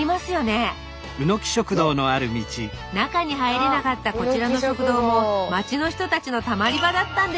中に入れなかったこちらの食堂も町の人たちのたまり場だったんです